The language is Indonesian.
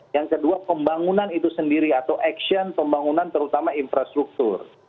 yang kedua pembangunan itu sendiri atau action pembangunan terutama infrastruktur